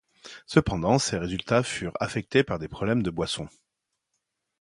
Cependant ses résultats furent affectés par des problèmes de boisson.